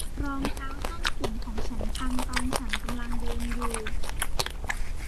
รองเท้าส้นสูงของฉันพังตอนฉันกำลังเดินอยู่